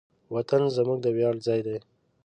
وطن زموږ د ویاړ ځای دی.